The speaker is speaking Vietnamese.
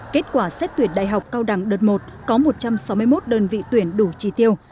kết quả xét tuyển đại học cao đẳng đợt một có một trăm sáu mươi một đơn vị tuyển đủ trì tiêu